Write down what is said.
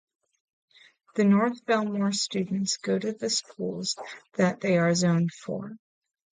The North Bellmore students go to the schools that they are zoned for.